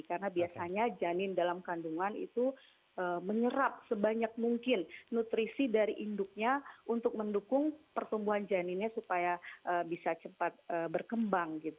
karena biasanya janin dalam kandungan itu menyerap sebanyak mungkin nutrisi dari induknya untuk mendukung pertumbuhan janinnya supaya bisa cepat berkembang